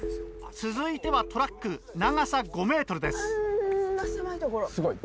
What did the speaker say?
続いてはトラック長さ５ｍです。